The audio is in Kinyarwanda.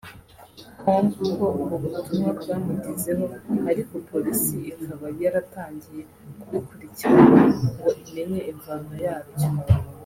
com ko ubu butumwa bwamugezeho ariko Polisi ikaba yaratangiye kubikurikirana ngo imenye imvano yabyo